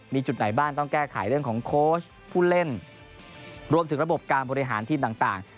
มีจุดไหนบ้างต้องแก้ไขเรื่องของโค้ชผู้เล่นรวมถึงระบบการบริหารทีมต่าง